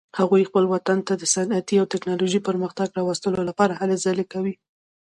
هغوی خپل وطن ته د صنعتي او تکنالوژیکي پرمختګ راوستلو لپاره هلې ځلې کوي